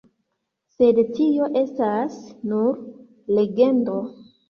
Sed tio estas nur legendo.